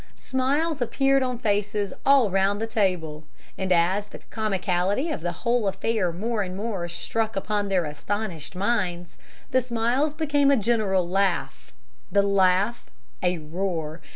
Smiles appeared on faces all round the table; and as the comicality of the whole affair more and more struck upon their astonished minds, the smiles became a general laugh, the laugh a roar.